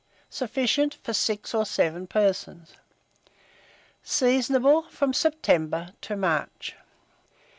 Sufficient for 6 or 7 persons. Seasonable from September to March.